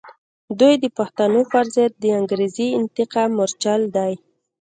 دوی د پښتنو پر ضد د انګریزي انتقام مورچل دی.